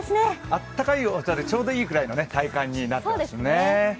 あったかいお茶でちょうどいいくらいの体感になってますね。